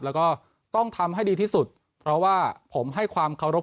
แล้วก็ต้องทำให้ดีที่สุดเพราะว่าผมให้ความเคารพ